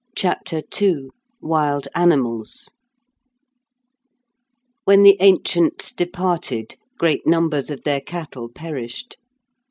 CHAPTER II WILD ANIMALS When the ancients departed, great numbers of their cattle perished.